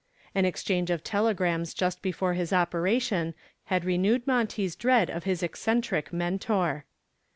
An exchange of telegrams just before his operation had renewed Monty's dread of his eccentric mentor.